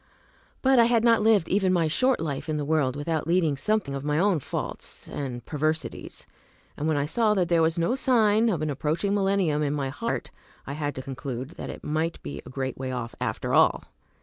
But I had not lived even my short life in the world without leading something of my own faults and perversities; and when I saw that there was no sign of an approaching millennium in my heart I had to conclude that it might be a great way off, after all.